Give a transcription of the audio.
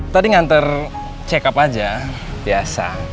tadi nganter cekup aja biasa